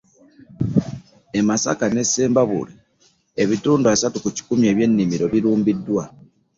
E Masaka n'e Sembabule, ebitundu asatu ku kikumi eby’ennimiro birumbiddwa